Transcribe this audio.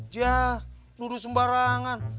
yah lu udah sembarangan